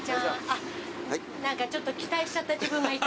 あっちょっと期待しちゃった自分がいた。